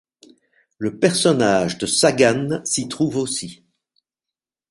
Le personnage de Sagane s'y trouve aussi.